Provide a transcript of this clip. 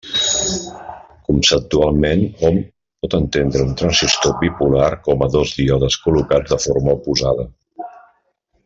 Conceptualment, hom pot entendre un transistor bipolar com a dos díodes col·locats de forma oposada.